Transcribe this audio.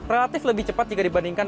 relatif lebih cepat jika dibandingkan